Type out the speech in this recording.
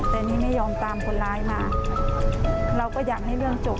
แต่นี่ไม่ยอมตามคนร้ายมาเราก็อยากให้เรื่องจบ